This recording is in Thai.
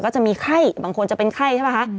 จะมีไข้บางคนจะเป็นไข้ใช่ป่ะคะ